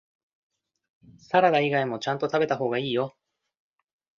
サラダ以外もちゃんと食べた方がいいよ